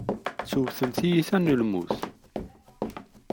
Ttewten tiyita n lmut.